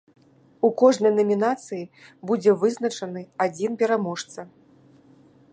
У кожнай намінацыі будзе вызначаны адзін пераможца.